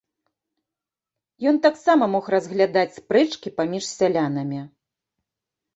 Ён таксама мог разглядаць спрэчкі паміж сялянамі.